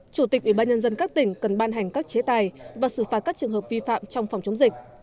chủ tịch ubnd các tỉnh cần ban hành các chế tài và xử phạt các trường hợp vi phạm trong phòng chống dịch